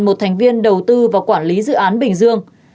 một thành viên đầu tư và quản lý dự án bình dương